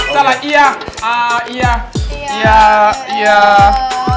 โตลาส